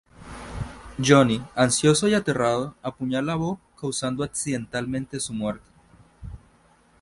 Johnny, ansioso y aterrado, apuñala a Bob, causando accidentalmente su muerte.